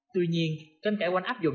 tuy nhiên tranh cãi quanh áp dụng